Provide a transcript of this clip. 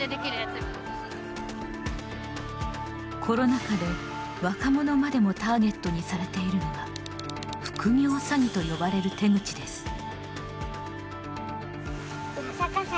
コロナ禍で若者までもターゲットにされているのは副業詐欺と呼ばれる手口です。